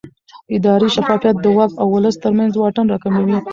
اداري شفافیت د واک او ولس ترمنځ واټن راکموي